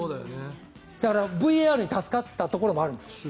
だからＶＡＲに助かったところもあるんです。